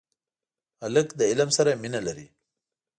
هلک له علم سره مینه لري.